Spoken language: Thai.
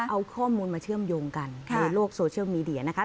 เอาข้อมูลมาเชื่อมโยงกันในโลกโซเชียลมีเดียนะคะ